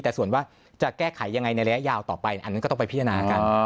แต่ส่วนว่าจะแก้ไขยังไงในระยะยาวต่อไปอันนั้นก็ต้องไปพิจารณากัน